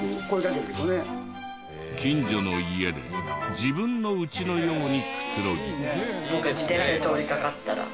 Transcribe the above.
近所の家で自分の家のようにくつろぎ。